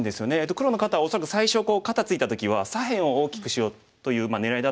黒の方は恐らく最初肩ツイた時は左辺を大きくしようという狙いだったんですけれども